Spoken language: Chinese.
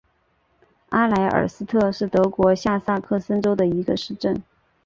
阿莱尔斯特是德国下萨克森州的一个市镇。